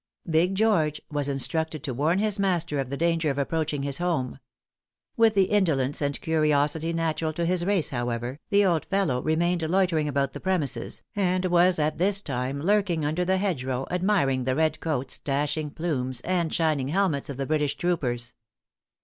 ''Big George" was instructed to warn his master of the danger of approaching his home. With the indolence and curiosity natural to his race, however, the old fellow remained loitering about the premises, and was at this time lurking under the hedge row, admiring the red coats, dashing plumes, and shining helmets of the British troopers.